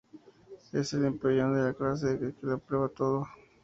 Es el empollón de la clase que lo aprueba todo